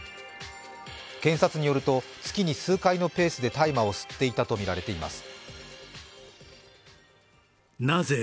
検察によると月に数回のペースで大麻を吸っていたとみられています。